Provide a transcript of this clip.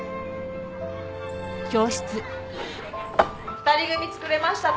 ２人組つくれましたか？